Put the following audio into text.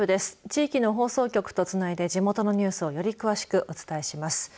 地域の放送局とつないで地元のニュースをより詳しくお伝えします。